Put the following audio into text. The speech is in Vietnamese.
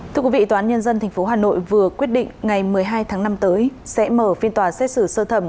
thưa quý vị tòa án nhân dân tp hà nội vừa quyết định ngày một mươi hai tháng năm tới sẽ mở phiên tòa xét xử sơ thẩm